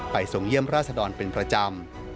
ส่งเยี่ยมราชดรเป็นประจำ